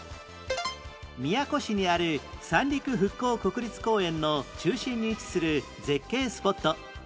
宮古市にある三陸復興国立公園の中心に位置する絶景スポット